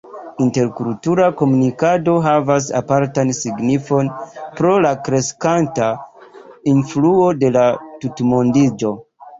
Interkultura komunikado havas apartan signifon pro la kreskanta influo de la tutmondiĝo.